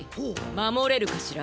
まもれるかしら？